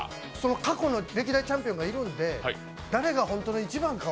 過去の歴代チャンピオンがいるんで誰が本当の一番かを。